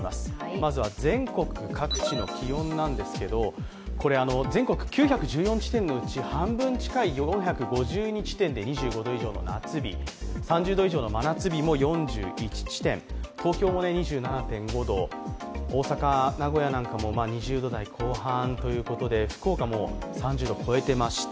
まずは全国各地の気温なんですけどこれ、全国９１４地点のうち半分近い４５２地点で２５度以上の夏日、３０度以上の真夏日も４１地点、東京も２７．５度、大阪・名古屋なども２０度台後半ということで福岡も３０度を超えていました。